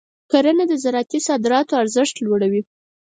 کرنه د زراعتي صادراتو ارزښت لوړوي.